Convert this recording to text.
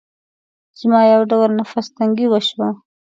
زما يو ډول نفس تنګي وشوه.